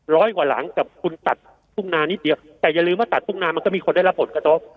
ร้อยกว่าหลังกับคุณตัดทุ่งนานิดเดียวแต่อย่าลืมว่าตัดทุ่งนามันก็มีคนได้รับผลกระทบ